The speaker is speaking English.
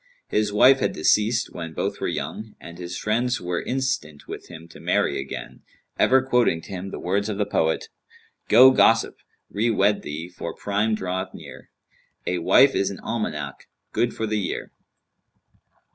His wife had deceased when both were young; and his friends were instant with him to marry again, ever quoting to him the words of the poet, "Go, gossip! re wed thee, for Prime draweth near: A wife is an almanac—good for the year."